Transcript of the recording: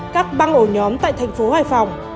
các băng ổ nhóm tại thành phố hải phòng